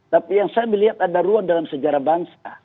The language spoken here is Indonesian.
tapi yang saya melihat ada ruang dalam sejarah bangsa